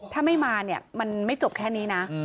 ถ้าไม่มาเนี่ยมันไม่จบแค่นี้นะ